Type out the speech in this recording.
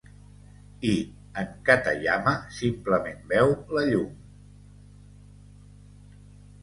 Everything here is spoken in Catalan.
I en Katayama simplement veu la llum...